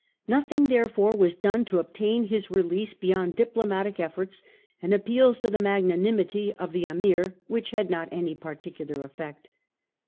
Nothing therefore was done to obtain their release beyond diplomatic efforts, and appeals to the magnanimity of the Ameer which had not any particular effect.